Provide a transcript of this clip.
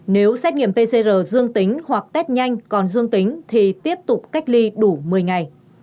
nếu xét nghiệm pcr dương tính hoặc test nhanh còn dương tính thì tiếp tục cách ly đủ một mươi ngày